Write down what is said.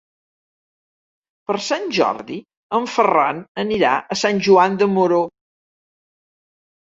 Per Sant Jordi en Ferran anirà a Sant Joan de Moró.